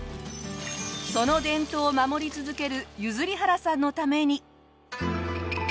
その伝統を守り続ける譲原さんのために。